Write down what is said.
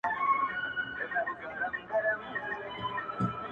حقیقت به درته وایم که چینه د ځوانۍ راکړي٫